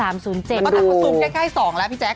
มันก็ตัดผสมใกล้๒แล้วพี่แจ๊ค